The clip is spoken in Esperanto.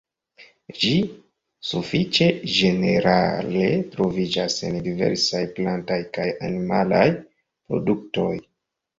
Ĝi sufiĉe ĝenerale troviĝas en diversaj plantaj kaj animalaj produktoj.